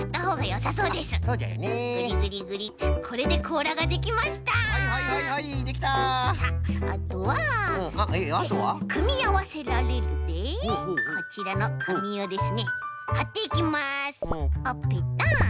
さああとはよし「くみあわせられる」でこちらのかみをですねはっていきます。